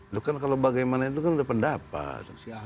loh kan kalau bagaimana itu kan ada pendapat